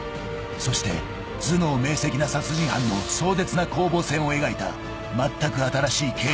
［そして頭脳明晰な殺人犯の壮絶な攻防戦を描いた全く新しい刑事ドラマ］